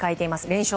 連勝